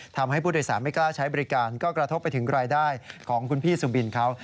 ทำให้ผู้โดยสารไม่กล้าใช้บริการก็กระทบไปถึงรายได้ของคุณพี่สุบินเขา